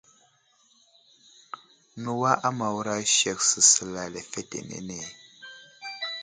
Newa a Mawra sek səsəla lefetenene.